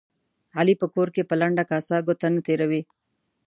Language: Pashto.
علي په کور کې په لنده کاسه ګوته نه تېروي.